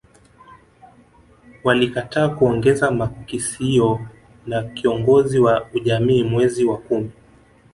Walikataa kuongeza makisio na kiongozi wa ujamii mwezi wa kumi